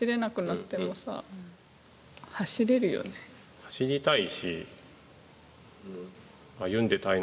走りたいし、歩んでたいな。